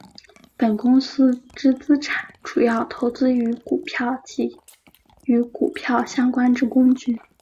本公司之资产主要投资于股票及与股票相关之工具。